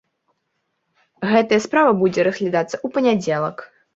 Гэтая справа будзе разглядацца ў панядзелак.